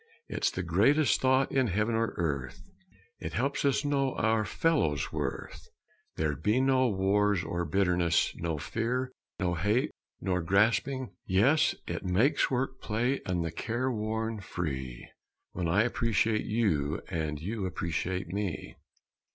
It's the greatest thought in heaven or earth It helps us know our fellow's worth; There'd be no wars or bitterness, No fear, no hate, no grasping; yes, It makes work play, and the careworn free When I appreciate you and you appreciate me.